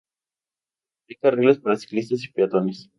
Hay carriles para ciclistas y peatones.